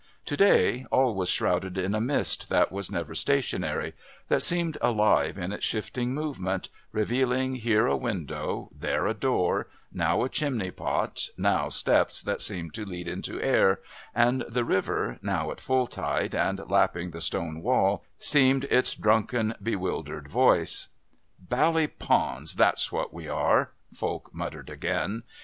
To day all was shrouded in a mist that was never stationary, that seemed alive in its shifting movement, revealing here a window, there a door, now a chimney pot, now steps that seemed to lead into air, and the river, now at full tide and lapping the stone wall, seemed its drunken bewildered voice. "Bally pawns, that's what we are," Falk muttered again.